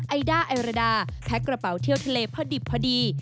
ไอด้าไอราดาแพ็กกระเป๋าเที่ยวทะเลพอดิบพอดี